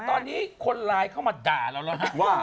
แต่ตอนนี้คนไลน์เขามาด่าเราแล้วนะ